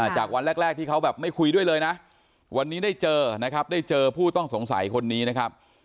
จากวันแรกที่เขาแบบไม่คุยด้วยเลยนะวันนี้ได้เจอนะครับได้เจอผู้ต้องสงสัยคนนี้นะครับ